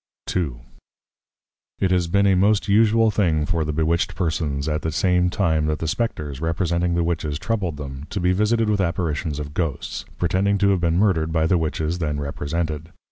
II. It has been a most usual thing for the bewitched Persons, at the same time that the Spectres, representing the Witches, troubled them, to be visited with Apparitions of Ghosts, pretending to have been Murdered by the Witches then represented.